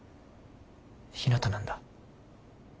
ひなたなんだ。